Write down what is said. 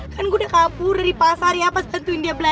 kan gue udah kabur di pasar ya pas bantuin dia belanja